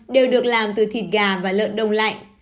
đều được làm từ thịt gà và lợn đông lạnh